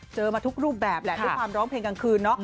มาทุกรูปแบบแหละด้วยความร้องเพลงกลางคืนเนาะ